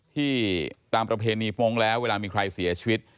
ที่ตามประเพณีโป้งแล้วเวลามีใครเสียชีวิต